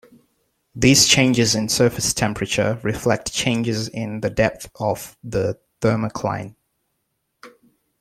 These changes in surface temperature reflect changes in the depth of the thermocline.